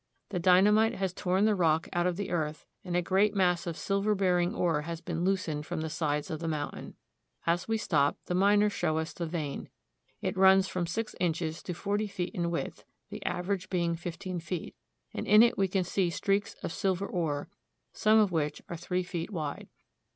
The dynamite has torn the rock out of the earth, and a great mass of sil ver bearing ore has been loosened from the sides of the mountain. As we stop, the miners show us the vein. It runs from six inches to forty feet in width, the average being fifteen feet, and in it we can see streaks of silver ore, some of which are three feet wide.